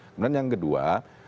kemudian yang kedua